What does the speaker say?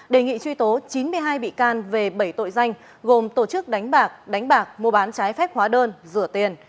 đề nghị truy tố chín mươi hai bị can về bảy tội danh gồm tổ chức đánh bạc đánh bạc mua bán trái phép hóa đơn rửa tiền